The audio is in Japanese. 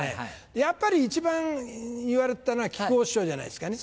やっぱり一番言われてたのは木久扇師匠じゃないですかね。